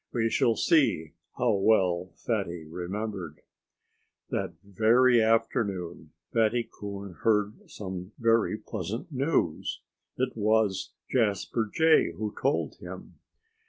We shall see how well Fatty remembered. That very afternoon Fatty Coon heard some very pleasant news. It was Jasper Jay who told him.